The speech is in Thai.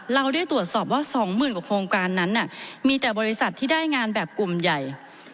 เราได้ตรวจสอบว่า๒๐๐๐กว่าโครงการนั้นมีแต่บริษัทที่ได้งานแบบกลุ่มใหญ่